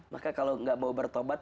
maka kalau nggak mau bertobat